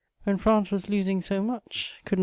When France was losing so much, could not M.